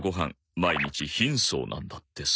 毎日貧相なんだってさ。